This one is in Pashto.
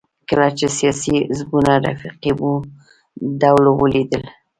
کله چې سیاسي حزبونو رقیبو ډلو ولیدل